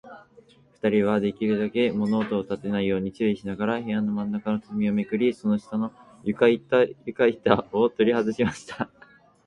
ふたりは、できるだけ物音をたてないように注意しながら、部屋のまんなかの畳をめくり、その下の床板ゆかいたをとりはずしました。